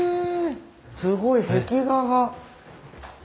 すごい壁画が。